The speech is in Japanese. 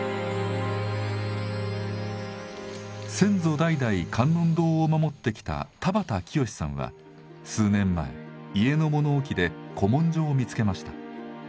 先祖代々観音堂を守ってきた田畑清さんは数年前家の物置で古文書を見つけました。